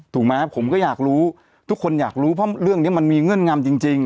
ถูกไหมผมก็อยากรู้ทุกคนอยากรู้เพราะเรื่องนี้มันมีเงื่อนงำจริง